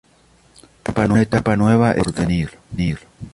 Una etapa nueva estaba por venir.